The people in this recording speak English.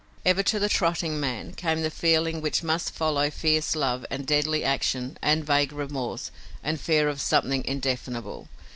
Ever to the trotting man came the feelings which must follow fierce love and deadly action and vague remorse and fear of something indefinable.